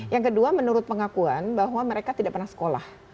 yang kedua menurut pengakuan bahwa mereka tidak pernah sekolah